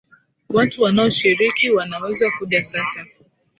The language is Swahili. Watu wanao shiriki wanaweza kuja sasa